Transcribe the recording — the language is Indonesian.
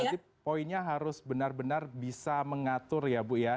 jadi poinnya harus benar benar bisa mengatur ya bu ya